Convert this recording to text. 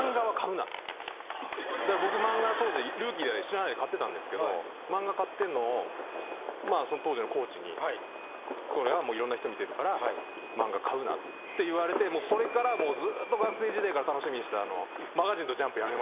僕漫画当時ルーキーで知らないで買ってたんですけど漫画買ってんのを当時のコーチにそれは。って言われてそれからずっと学生時代から楽しみにしていた。